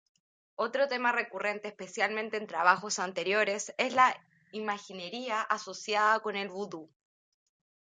Otro tema recurrente, especialmente en trabajos anteriores, es la imaginería asociada con el vudú.